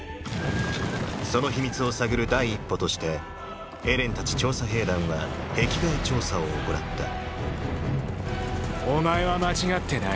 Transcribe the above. その秘密を探る第一歩としてエレンたち調査兵団は壁外調査を行ったお前は間違ってない。